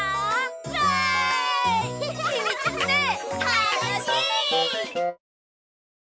たのしい！